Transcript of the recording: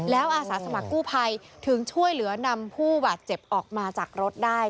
แล้วอาสาสมัครกู้ภัยถึงช่วยเหลือนำผู้บาดเจ็บออกมาจากรถได้